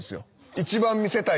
一番見せたい。